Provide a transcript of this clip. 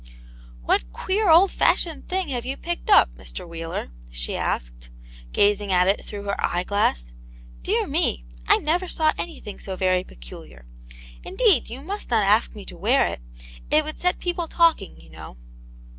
" What queer, old fashioned thing have you picked up, Mr. Wheeler ?" she asked, gazing at it through her eye glass. " Dear me, I never saw anything so very peculiar; indeed, you must not ask me to wear it; it would set people talking, you know."